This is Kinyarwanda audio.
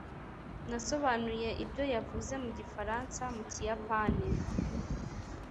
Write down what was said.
nasobanuye ibyo yavuze mu gifaransa mu kiyapani